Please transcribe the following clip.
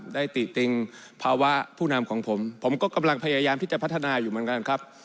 ติติงภาวะผู้นำของผมผมก็กำลังพยายามที่จะพัฒนาอยู่เหมือนกันครับ